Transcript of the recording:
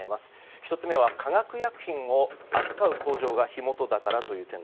１つ目は化学薬品を扱う工場が火元だからという点。